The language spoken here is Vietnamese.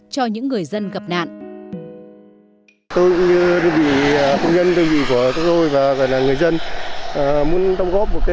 cho những người dân gặp nạn